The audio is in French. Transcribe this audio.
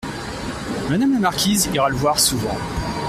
Madame la marquise ira le voir souvent.